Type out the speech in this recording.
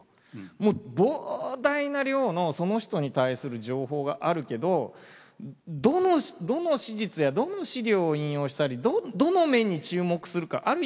もう膨大な量のその人に対する情報があるけどどの史実やどの史料を引用したりどの面に注目するかある意味